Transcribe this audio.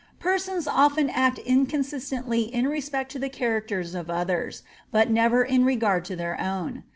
Personr often aet inconsistently in respect to the characters of others, but never in regard to their own.